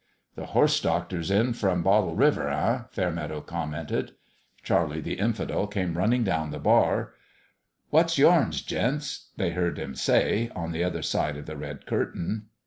"The Horse Doctor's in from Bottle River, eh ?" Fairmeadow commented. Charlie the Infidel came running down the bar. " What's yourn, gents ?" they heard him say, on the other side of the red curtain.